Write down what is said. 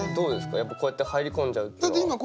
やっぱこうやって入り込んじゃうっていうのは。